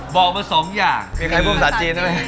บอกมาสองอย่างมีใครพูดภาษาจีนใช่ไหม